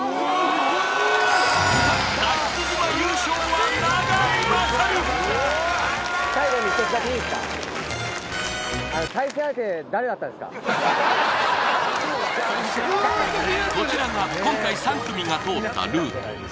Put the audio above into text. はいこちらが今回３組が通ったルート